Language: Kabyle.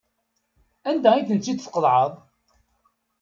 Anda ay ten-id-tqeḍɛeḍ?